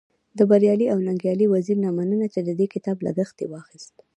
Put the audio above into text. د بريالي او ننګيالي وزيري نه مننه چی د دې کتاب لګښت يې واخست.